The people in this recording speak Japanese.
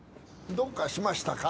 ・どうかしましたか？